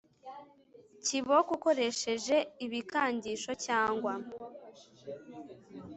Kiboko ukoresheje ibikangisho cyangwa